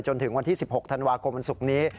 จนถึงวันที่๑๖ธันวาคมวันศุกร์นี้